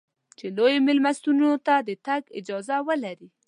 چې لویو مېلمستونو ته د تګ اجازه ولرې.